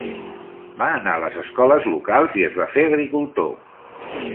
Va anar a les escoles locals i es va fer agricultor.